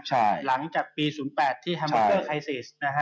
หลังจากปี๐๘ที่ฮัมเบอร์เกอร์ไคซิส